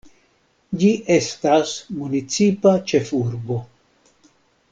Ĝi estas municipa ĉefurbo.